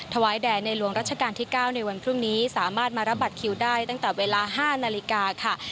ถวายแด่ในหลวงรัชกาลที่๙ในวันพรุ่งนี้สามารถมารับบัตรคิวได้ตั้งแต่เวลา๕นาฬิกาค่ะ